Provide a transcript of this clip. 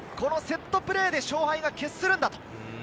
セットプレーで勝敗が決するんだと。